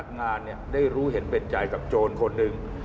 งานได้รู้เห็นเป็นใจกับโจรคนหนึ่ง